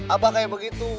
abah kayak begitu